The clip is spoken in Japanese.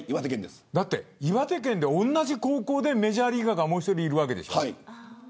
だって、岩手県で同じ高校でメジャーリーガーがもう１人いるわけです。